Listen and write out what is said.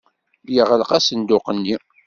Yeɣleq asenduq-nni.